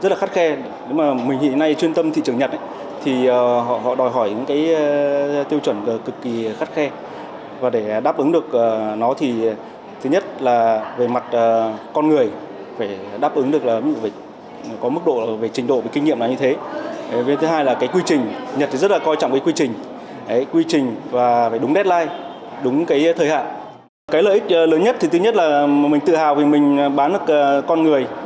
lợi ích lớn nhất thì thứ nhất là mình tự hào vì mình bán được con người